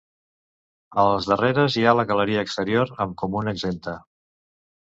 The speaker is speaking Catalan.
Als darreres hi ha galeria exterior amb comuna exempta.